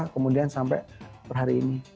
kemudian sampai hari ini